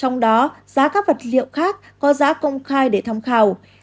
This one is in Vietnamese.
trong đó giá các vật liệu khác có giá công khai để tham khảo